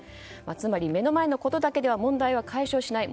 つまり、目の前のことだけは問題は解消しない。